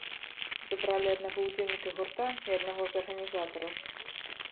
Забралі аднаго ўдзельніка гурта і аднаго з арганізатараў.